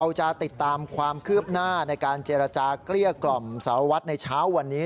จะติดตามความคืบหน้าในการเจรจาเกลี้ยกล่อมสารวัตรในเช้าวันนี้